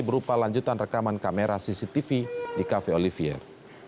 berupa lanjutan rekaman kamera cctv di cafe olivier